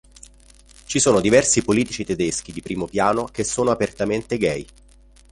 Ci sono diversi politici tedeschi di primo piano che sono apertamente gay.